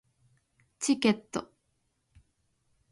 チケット